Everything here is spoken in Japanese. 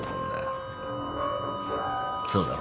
そうだろ？